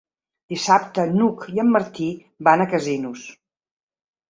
Dissabte n'Hug i en Martí van a Casinos.